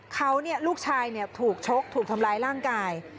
เขาลูกชายถูกชกถูกทำร้ายร่างกาย